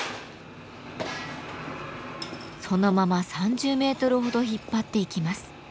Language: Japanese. そのまま３０メートルほど引っ張っていきます。